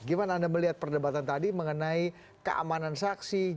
gimana anda melihat perdebatan tadi mengenai keamanan saksi